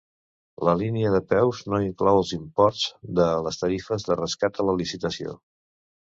La línia de preus no inclou els imports de les tarifes de rescat a la licitació.